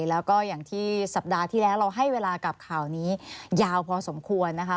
แล้วก็อย่างที่สัปดาห์ที่แล้วเราให้เวลากับข่าวนี้ยาวพอสมควรนะคะ